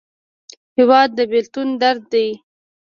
هېواد د بېلتون درد دی.